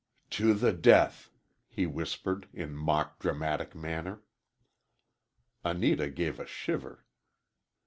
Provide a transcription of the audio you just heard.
"To the death!" he whispered, in mock dramatic manner. Anita gave a shiver.